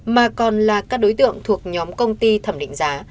mà còn là các đối tượng thuộc nhóm công ty thẩm định giá